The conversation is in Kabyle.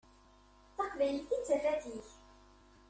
D taqbaylit i d tafat-ik.